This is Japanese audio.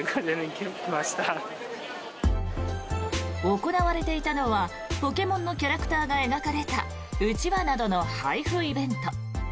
行われていたのは、ポケモンのキャラクターが描かれたうちわなどの配布イベント。